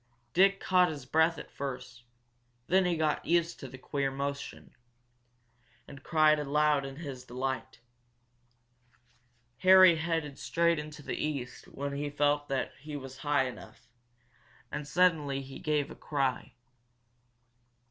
Dick caught his breath at first, then he got used to the queer motion, and cried aloud in his delight. Harry headed straight into the east when he felt that he was high enough. And suddenly he gave a cry.